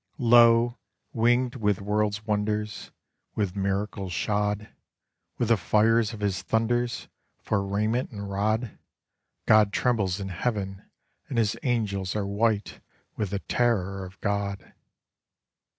Lo, winged with world's wonders, With miracles shod, With the fires of his thunders For raiment and rod, God trembles in heaven, and his angels are white with the terror of God.